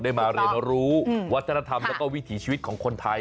มาเรียนรู้วัฒนธรรมแล้วก็วิถีชีวิตของคนไทย